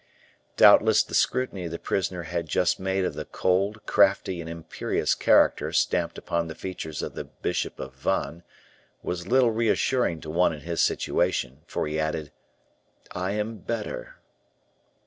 Doubtless the scrutiny the prisoner had just made of the cold, crafty, and imperious character stamped upon the features of the bishop of Vannes was little reassuring to one in his situation, for he added, "I am better."